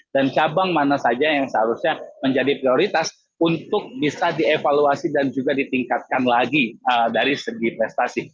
dan cabang mana saja yang seharusnya menjadi prioritas untuk bisa dievaluasi dan juga ditingkatkan lagi dari segi prestasi